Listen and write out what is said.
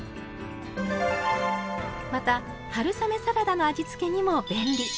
また春雨サラダの味付けにも便利。